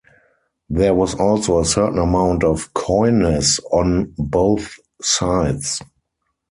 There was also a certain amount of coyness on both sides.